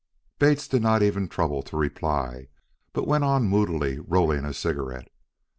Bates did not even trouble to reply, but went on moodily rolling a cigarette.